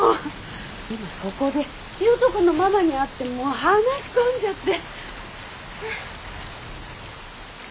今そこで悠人君のママに会って話し込んじゃって。